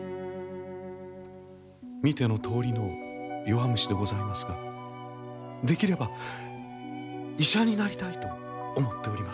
見てのとおりの弱虫でございますができれば医者になりたいと思っております。